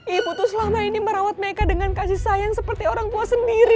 ibu tuh selama ini merawat mereka dengan kasih sayang seperti orang puas sendiri